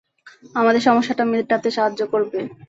আমাদের সমস্যাটা মেটাতে সাহায্য করবে?